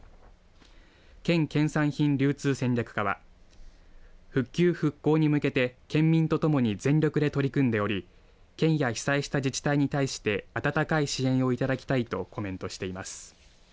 県県産品流通戦略課は復旧復興に向けて県民とともに全力で取り組んでおり県や被災した自治体に対して温かい支援をいただきたいとコメントしています。